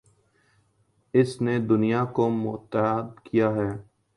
اس نے دنیا کو متحد کیا ہے